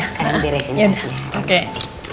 sekarang beresin dulu